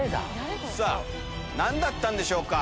さぁ何だったんでしょうか？